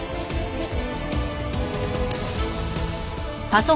はい。